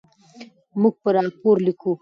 موږ به راپور لیکو.